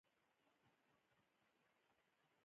د اداري اصلاحاتو خپلواک کمیسیون جوړول.